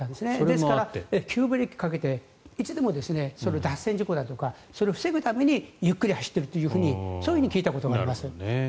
ですから急ブレーキをかけていつでも脱線事故とかそれを防ぐためにゆっくり走っていると聞いたことがあります。